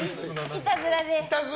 いたずらで。